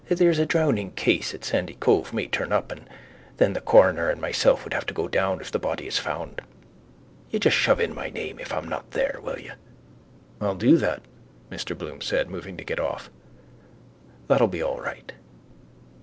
There's a drowning case at Sandycove may turn up and then the coroner and myself would have to go down if the body is found. You just shove in my name if I'm not there, will you? —I'll do that, Mr Bloom said, moving to get off. That'll be all right.